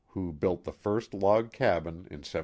who built the first log cabin in 1773.